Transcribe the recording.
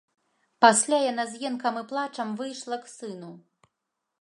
Пасля яна з енкам і плачам выйшла к сыну.